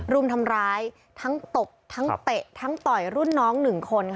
รุมทำร้ายทั้งตบทั้งเตะทั้งต่อยรุ่นน้อง๑คน